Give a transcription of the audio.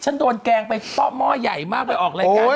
โดนแกล้งไปหม้อใหญ่มากไปออกรายการ